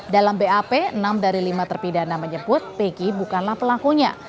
dalam bap enam dari lima terpidana menyebut pg bukanlah pelakunya